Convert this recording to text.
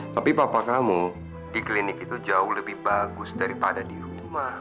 tapi bapak kamu di klinik itu jauh lebih bagus daripada di rumah